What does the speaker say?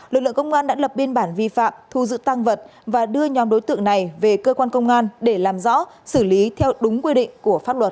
lực lượng công an đã lập biên bản vi phạm thu giữ tăng vật và đưa nhóm đối tượng này về cơ quan công an để làm rõ xử lý theo đúng quy định của pháp luật